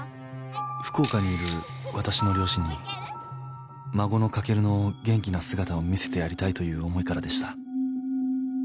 福岡にいるわたしの両親に孫の翔の元気な姿を見せてやりたいという思いからでした。